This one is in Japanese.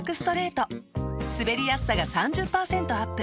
すべりやすさが３０％アップ。